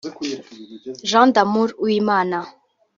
Jean d’Amour Uwimana